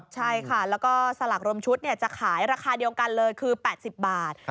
ใช่ค่ะแล้วก็สลากรวมชุดจะขายราคาเดียวกันเลยคือ๘๐บาท